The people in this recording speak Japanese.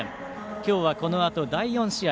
今日はこのあと第４試合